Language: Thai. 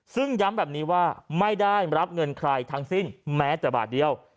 ซึ่งย้ำแบบนี้ว่าไม่ได้รับเงินใครทั้งสิ้นแม้แต่บาทเดียว